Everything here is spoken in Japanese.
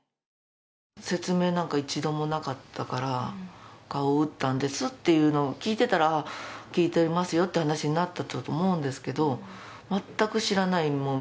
説明なんか１度もなかったから、顔打ったんですというの聞いてたらああ、聞いてますよっていう話になったんだと思うんですけど全く知らない。